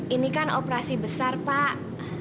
ini kan operasi besar pak